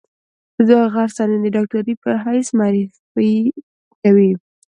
غرڅنۍ د ډاکټرې په حیث معرفي کوي.